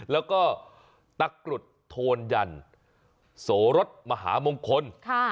แล้วก็ตะกรุดโทนยันโสรสมหามงคล